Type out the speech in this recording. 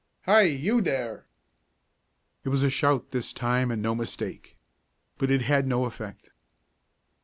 "Hi! you there!" It was a shout this time and no mistake. But it had no effect.